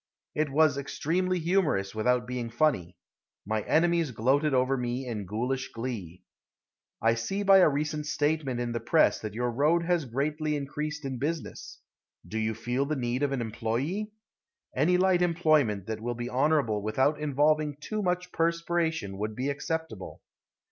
It was extremely humorous without being funny. My enemies gloated over me in ghoulish glee. I see by a recent statement in the press that your road has greatly increased in business. Do you feel the need of an employe? Any light employment that will be honorable without involving too much perspiration would be acceptable.